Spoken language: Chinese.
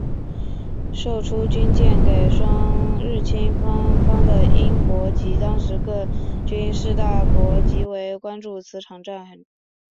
售出军舰给日清双方的英国及当时各军事大国极为关注此场海战。